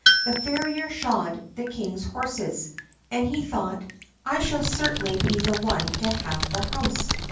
The farrier shod the king's horses, and he thought, "I shall certainly be the one to have the house."